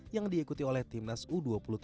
yang diikuti oleh timnas u dua puluh tiga